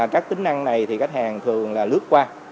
các tính năng này thì khách hàng thường là lướt qua